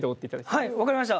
はい分かりました。